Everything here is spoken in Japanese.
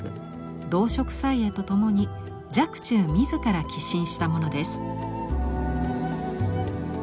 「動植綵絵」と共に若冲自ら寄進したものです。